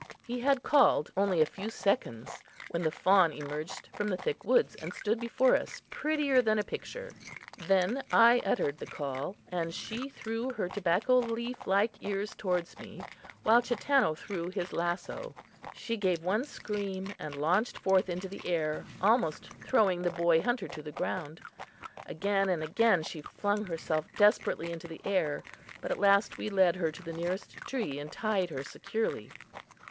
He had called only a few seconds when the fawn emerged from the thick woods and stood before us, prettier than a picture. Then I uttered the call, and she threw her tobacco leaf like ears toward me, while Chatanna threw his lasso. She gave one scream and launched forth into the air, almost throwing the boy hunter to the ground. Again and again she flung herself desperately into the air, but at last we led her to the nearest tree and tied her securely.